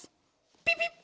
ピピッ！